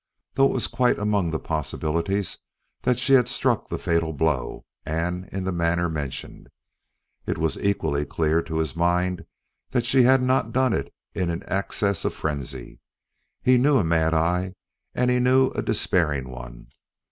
Though it was quite among the possibilities that she had struck the fatal blow and in the manner mentioned, it was equally clear to his mind that she had not done it in an access of frenzy. He knew a mad eye and he knew a despairing one.